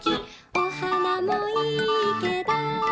「お花もいいけど」